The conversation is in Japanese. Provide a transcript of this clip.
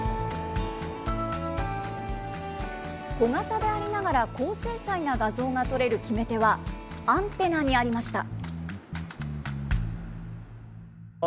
小型でありながら高精細な画像がとれる決め手は、アンテナにありました。